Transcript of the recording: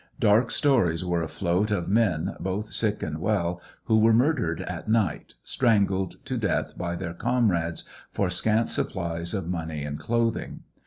Dark stories were afloat of men, both sick and well, who were murdered at night, strangled to death by their comrades for scant supplies of money and clothing.